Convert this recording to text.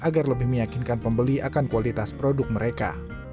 agar lebih meyakinkan pembeli akan kualitas produk mereka